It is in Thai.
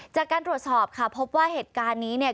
จากการตรวจสอบค่ะพบว่าเหตุการณ์นี้เนี่ย